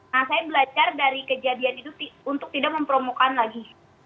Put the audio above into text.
nah saya belajar dari kejadian itu untuk tidak mempromokan lagi